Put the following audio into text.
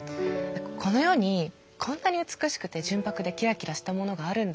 この世にこんなに美しくて純白でキラキラしたものがあるんだっていう。